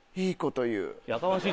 やかましい！